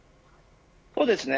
そうですね。